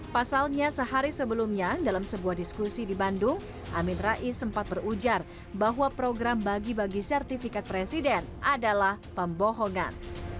pasalnya sehari sebelumnya dalam sebuah diskusi di bandung amin rais sempat berujar bahwa program bagi bagi sertifikat presiden adalah pembohongan